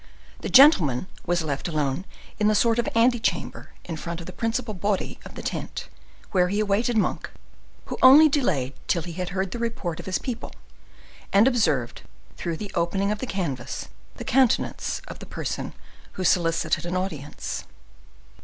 The gentleman was left alone in the sort of ante chamber in front of the principal body of the tent, where he awaited Monk, who only delayed till he had heard the report of his people, and observed through the opening of the canvas the countenance of the person who solicited an audience.